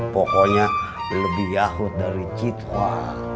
pokoknya lebih yahut dari citwa